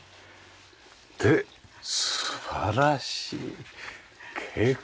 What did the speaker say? で素晴らしい景観。